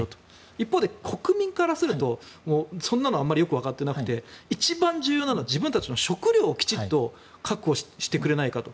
一方で国民からすると、そんなのあまりよくわかってなくて一番重要なのは自分たちの食料をきちんと確保してくれないかと。